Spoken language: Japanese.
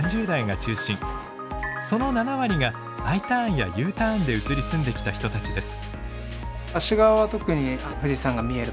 その７割がＩターンやＵターンで移り住んできた人たちです。